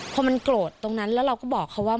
พอมันโกรธตรงนั้นแล้วเราก็บอกเขาว่า